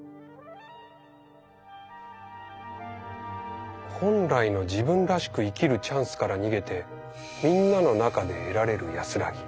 それは本来の自分らしく生きるチャンスから逃げてみんなの中で得られる安らぎ。